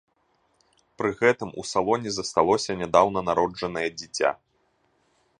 Пры гэтым у салоне засталося нядаўна народжанае дзіця.